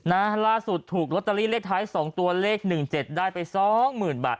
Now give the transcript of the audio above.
นะล่าสุดถูกโรตาลีเลขท้าย๒ตัวเลข๑๗ได้ไป๒๐๐๐๐บาท